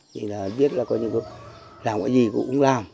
thì là biết là có những làm cái gì cụ cũng làm